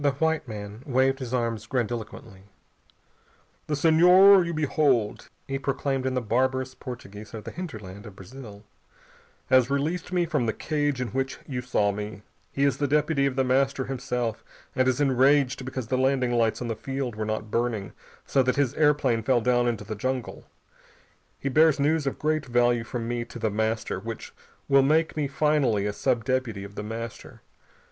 The white man waved his arms grandiloquently. "The Senhor you behold," he proclaimed in the barbarous Portugese of the hinterland of Brazil, "has released me from the cage in which you saw me. He is the deputy of The Master himself, and is enraged because the landing lights on the field were not burning, so that his airplane fell down into the jungle. He bears news of great value from me to The Master, which will make me finally a sub deputy of The Master.